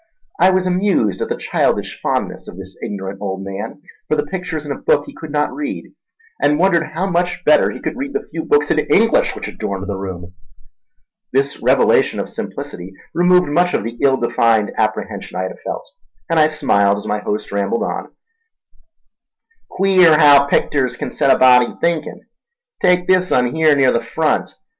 I was amused at the childish fondness of this ignorant old man for the pictures in a book he could not read, and wondered how much better he could read the few books in English which adorned the room. This revelation of simplicity removed much of the ill defined apprehension I had felt, and I smiled as my host rambled on: "Queer haow picters kin set a body thinkin'. Take this un here near the front.